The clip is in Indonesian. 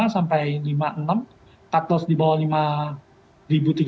sampai rp lima puluh enam cut loss di bawah